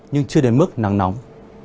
nhưng chưa đến mức nắng nóng